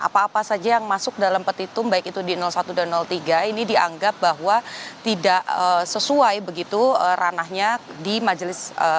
apa apa saja yang masuk dalam petitum baik itu di satu dan tiga ini dianggap bahwa tidak sesuai begitu ranahnya di majelis